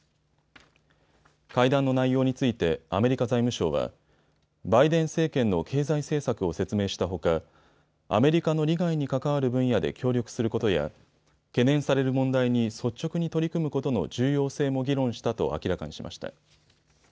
会談の内容についてアメリカ財務省はバイデン政権の経済政策を説明したほかアメリカの利害に関わる分野で協力することや懸念される問題に率直に取り組むことの重要性も議論したと明らかにしました。